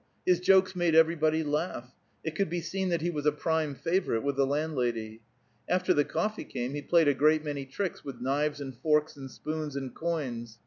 His jokes made everybody laugh; it could be seen that he was a prime favorite with the landlady. After the coffee came he played a great many tricks with knives and forks and spoons, and coins.